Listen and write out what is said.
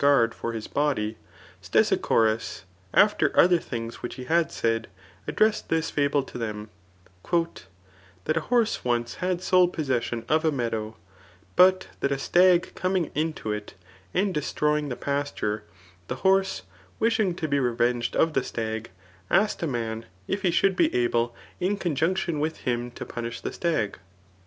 guard for his body, Stesicborus after other things which he had said, addressed this fable to them, *^ That a horse {[once]] had sole possession of a meadow, but that a stag coming into it, and destroying the pasture, the horse wishing to be revenged of the stag, asked a man, if he should be able in conjunction with him to punish the stag.